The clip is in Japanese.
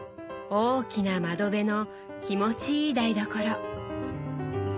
大きな窓辺の気持ちいい台所。